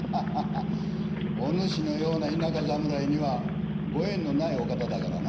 お主のような田舎侍にはご縁の無い御方だからな。